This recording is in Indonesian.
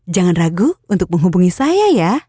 jangan ragu untuk menghubungi saya ya